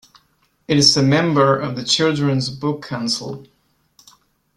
It is a member of the Children's Book Council.